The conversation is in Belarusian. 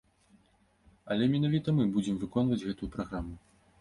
Але менавіта мы будзем выконваць гэтую праграму.